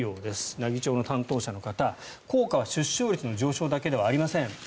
奈義町の担当者の方効果は出生率の上昇だけではありません。